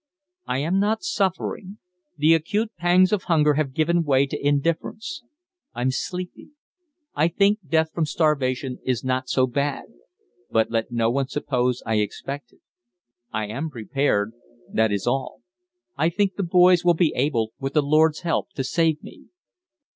"I am not suffering. The acute pangs of hunger have given way to indifference. I'm sleepy. I think death from starvation is not so bad. But let no one suppose I expect it. I am prepared that is all. I think the boys will be able, with the Lord's help, to save me."